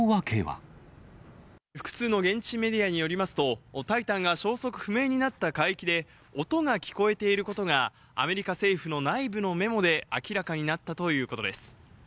複数の現地メディアによりますと、タイタンが消息不明になった海域で、音が聞こえていることが、アメリカ政府の内部のメモで明らかになったということです。